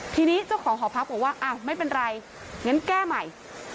ทีนี้เจ้าของหอพักบอกว่าอ้าวไม่เป็นไรงั้นแก้ใหม่